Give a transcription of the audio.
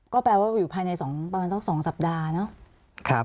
ก็แปลว่าอยู่ภายในประมาณสัก๒สัปดาห์เนอะ